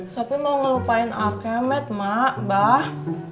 sopi mau ngelupain akemet mak mbah